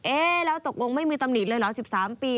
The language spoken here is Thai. เอ๊ะแล้วตกลงไม่มีตำหนิเลยเหรอ๑๓ปี